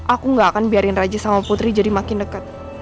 aku gak akan biarin raja sama putri jadi makin dekat